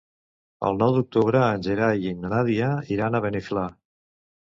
El nou d'octubre en Gerai i na Nàdia iran a Beniflà.